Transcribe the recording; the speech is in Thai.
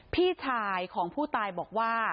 พี่ชายของผู้ตายบอกว่า